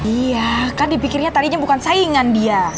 iya kan dipikirnya tadinya bukan saingan dia